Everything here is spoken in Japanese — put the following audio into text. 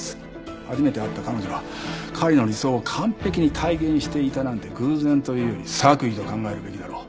初めて会った彼女が彼の理想を完璧に体現していたなんて偶然というより作為と考えるべきだろう。